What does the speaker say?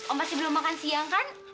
oh masih belum makan siang kan